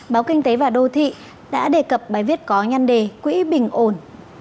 báo kinh tế và đô thị đã đề cập bài viết có nhăn đề quỹ bình ổn